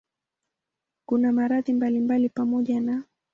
Kuna maradhi mbalimbali pamoja na